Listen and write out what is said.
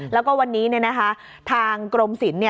แล้วก็วันนี้เนี่ยนะฮะทางกรมสินเนี่ย